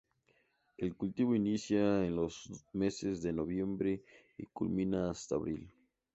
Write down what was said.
El cultivo inicia en los meses de noviembre y culmina hasta abril.